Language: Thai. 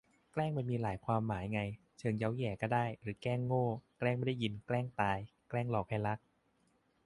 แกล้งมันมีหลายความหมายไง เชิงเย้าแหย่ก็ได้ หรือแกล้งโง่ แกล้งไม่ได้ยิน แกล้งตาย แกล้งหลอกให้รัก